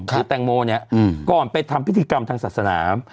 คือแตงโมเนี่ยก่อนไปทำพิธีกรรมทางศาสนา